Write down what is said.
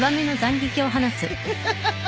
フハハハ。